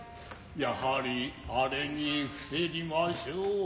やはりあれに伏せりましょう。